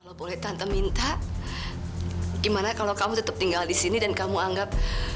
kalau boleh tante minta gimana kalau kamu tetap tinggal di sini dan kamu anggap